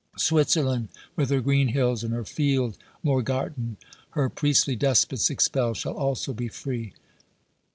Switzerland, with her green hills and her field Morgarten, her priestly despots expelled, shall also be free.